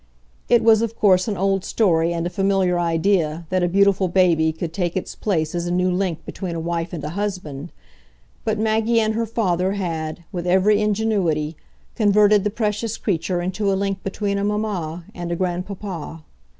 It was of course an old story and a familiar idea that a beautiful baby could take its place as a new link between a wife and a husband, but Maggie and her father had, with every ingenuity, converted the precious creature into a link between a mamma and a grandpapa.